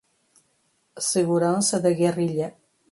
Segurança da Guerrilha